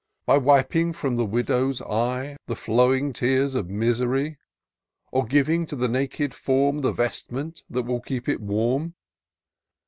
By wiping from the widow's eye The flowing tears of misery ; Or giving to the naked form The vestment that will keep it warm.